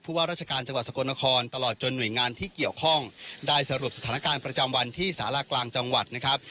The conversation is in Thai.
ว่าราชการจังหวัดสกลนครตลอดจนหน่วยงานที่เกี่ยวข้องได้สรุปสถานการณ์ประจำวันที่สารากลางจังหวัดนะครับ